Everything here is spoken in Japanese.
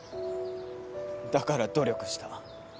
だから努力した。